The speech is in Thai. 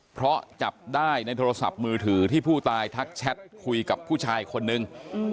เพราะจับได้ในโทรศัพท์มือถือที่ผู้ตายทักแชทคุยกับผู้ชายคนนึง